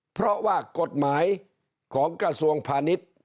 เพราะว่ากฎหมายของกระทรวงพาณิชย์